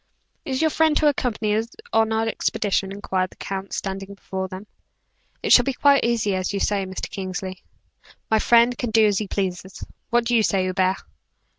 "Is your friend to accompany us on our expedition?" inquired the count, standing before them. "It shall be quite as you say, Mr. Kingsley." "My friend can do as he pleases. What do you say, Hubert?"